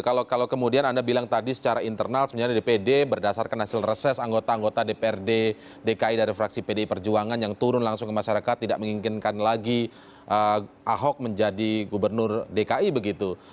kalau kemudian anda bilang tadi secara internal sebenarnya dpd berdasarkan hasil reses anggota anggota dprd dki dari fraksi pdi perjuangan yang turun langsung ke masyarakat tidak menginginkan lagi ahok menjadi gubernur dki begitu